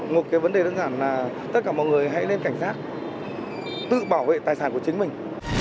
một cái vấn đề đơn giản là tất cả mọi người hãy nên cảnh giác tự bảo vệ tài sản của chính mình